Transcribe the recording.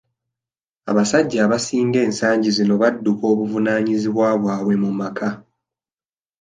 Abasajja abasinga ensagi zino badduka obuvunaanyizibwa bwabwe mu maka.